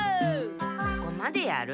ここまでやる？